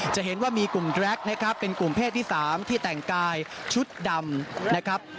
จะเห็นว่ามีกลุ่มแร็กนะครับเป็นกลุ่มเพศที่๓ที่แต่งกายชุดดำนะครับ